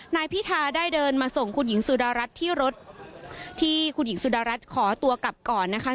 นายพิธาได้เดินมาส่งคุณหญิงสุดารัฐที่รถที่คุณหญิงสุดารัฐขอตัวกลับก่อนนะคะ